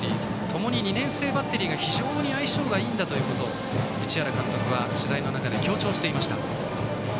ともに２年生バッテリーが非常に相性がいいんだと市原監督は取材の中で強調していました。